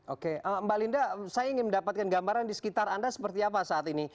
oke mbak linda saya ingin mendapatkan gambaran di sekitar anda seperti apa saat ini